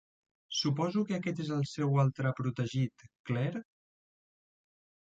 Suposo que aquest és el seu altre protegit, Clare?